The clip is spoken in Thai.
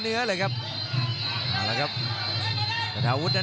กำปั้นขวาสายวัดระยะไปเรื่อย